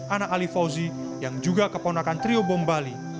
anak ali fauzi yang juga keponakan trio bombali